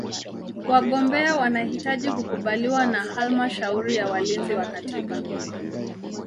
Wagombea wanahitaji kukubaliwa na Halmashauri ya Walinzi wa Katiba.